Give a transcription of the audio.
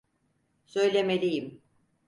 Söylemeliyim.